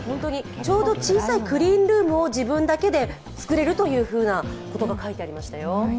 ちょうど小さいクリーンルームを自分だけで作れるというふうなことが書いてありましたよ。